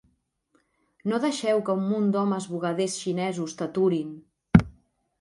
No deixeu que un munt d'homes bugaders xinesos t'aturin.